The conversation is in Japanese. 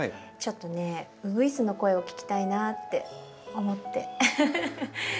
ちょっとねうぐいすの声を聞きたいなって思って。